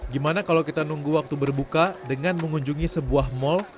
gimana kalau kita nunggu waktu berbuka dengan mengunjungi sebuah mal